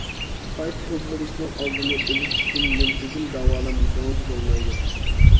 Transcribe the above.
قايتا قوزغىلىشنىڭ ئالدىنى ئېلىش ئۈچۈن مۇنتىزىم داۋالانمىسىڭىز بولمايدۇ.